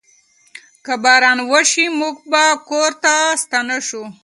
که باران وشي، موږ به کور ته ستانه شو.